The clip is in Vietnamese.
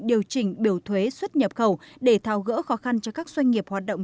điều chỉnh biểu thuế xuất nhập khẩu để thao gỡ khó khăn cho các doanh nghiệp hoạt động